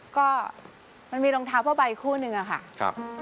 ก็มันมีรองเท้าผ้าใบคู่หนึ่งอะค่ะ